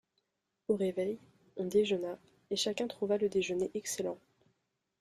Au réveil, on déjeuna, et chacun trouva le déjeuner excellent.